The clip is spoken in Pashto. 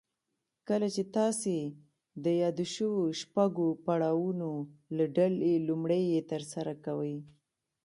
کله چې تاسې د يادو شويو شپږو پړاوونو له ډلې لومړی يې ترسره کوئ.